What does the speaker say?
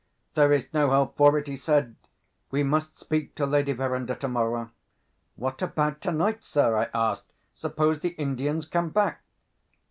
"There is no help for it," he said. "We must speak to Lady Verinder tomorrow." "What about tonight, sir?" I asked. "Suppose the Indians come back?"